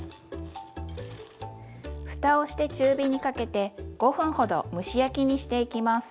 ふたをして中火にかけて５分ほど蒸し焼きにしていきます。